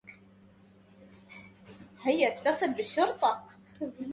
هيّا اتّصل بالشّرطة.